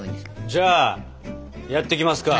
じゃあやっていきますか。